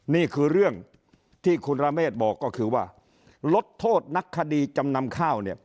นี่คือเรื่องที่คุณระเมฆบอกก็คือว่าลดโทษนักคดีจำนำข้าวเนี่ย